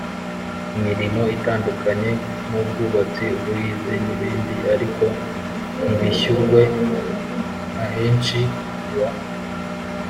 imirimo itandukanye nk ubwubatsi ubuhinzi n ibindi ariko ntibishyurwe Ahenshi ba